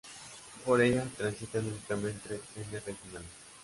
Por ella transitan únicamente trenes regionales.